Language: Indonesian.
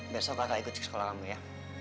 besok kakak ikut ke sekolah kamu ya